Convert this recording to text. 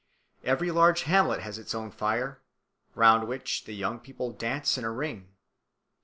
Every large hamlet has its own fire, round which the young people dance in a ring.